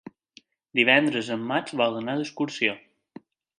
Divendres en Max vol anar d'excursió.